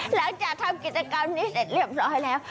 หลังจากทำกิจกรรมนี้เสร็จเรียบร้อยแล้ว